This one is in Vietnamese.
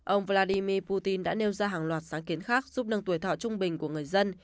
ông vladimir putin đã nêu ra hàng loạt sáng kiến khác giúp nâng tuổi thọ trung bình của người dân